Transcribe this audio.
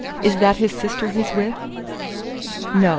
Is that his sister he's with?" "No.